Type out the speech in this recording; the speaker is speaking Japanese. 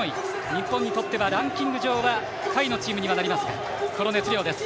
日本にとってはランキング上は下位のチームになりますがこの熱量です。